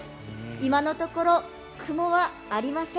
今のところ、雲はありません。